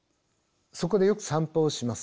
そこでよく散歩をします。